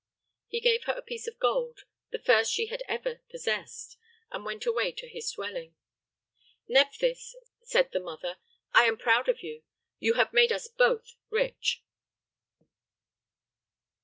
He gave her a piece of gold the first she had ever possessed and went away to his dwelling. "Nephthys," said the mother, "I am proud of you. You have made us both rich!"